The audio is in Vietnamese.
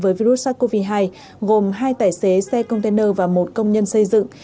với virus sars cov hai gồm hai tài xế xe container và một công nhân xây dựng